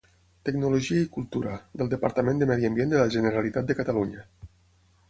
Tecnologia i cultura, del Departament de Medi Ambient de la Generalitat de Catalunya.